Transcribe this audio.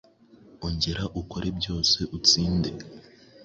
Ongera ukore byose utsinde